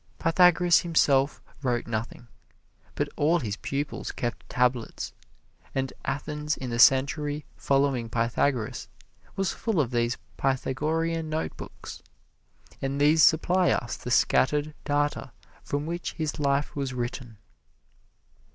Pythagoras himself wrote nothing, but all his pupils kept tablets, and Athens in the century following Pythagoras was full of these Pythagorean notebooks, and these supply us the scattered data from which his life was written.